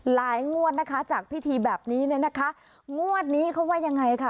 งวดนะคะจากพิธีแบบนี้เนี่ยนะคะงวดนี้เขาว่ายังไงค่ะ